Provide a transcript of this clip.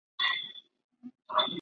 以生产香槟酒最为知名。